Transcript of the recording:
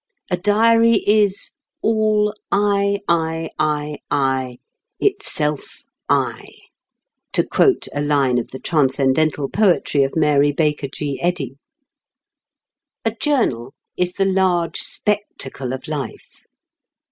A diary is All I, I, I, I, itself I (to quote a line of the transcendental poetry of Mary Baker G. Eddy). A journal is the large spectacle of life.